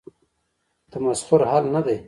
تمسخر حل نه دی.